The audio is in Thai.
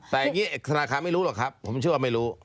แต่อย่างนี้ธนาคารไม่รู้หรอกครับผมเชื่อว่าไม่รู้